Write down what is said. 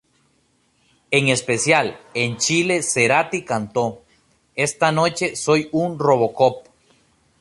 En especial, en Chile Cerati cantó, "Esta noche, soy un Robocop".